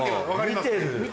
見てる。